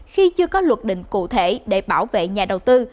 khi chưa có luật định cụ thể để bảo vệ nhà đầu tư